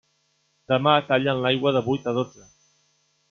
Demà tallen l'aigua de vuit a dotze.